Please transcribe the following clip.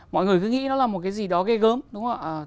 mọi người cứ nghĩ nó là một cái gì đó ghê gớm đúng không ạ